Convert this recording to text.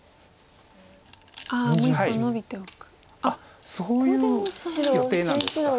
あっそういう予定なんですか。